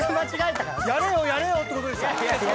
「やれよやれよ」ってことでしょ